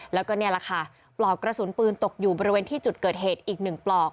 แล้วก็นี่แหละค่ะปลอกกระสุนปืนตกอยู่บริเวณที่จุดเกิดเหตุอีก๑ปลอก